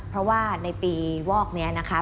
เพราะว่าในปีวอกนี้นะคะ